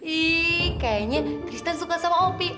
ih kayaknya kristen suka sama opi